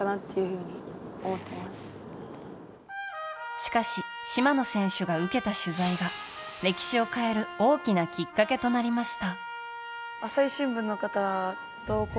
しかし島野選手が受けた取材が歴史を変える大きなきっかけとなりました。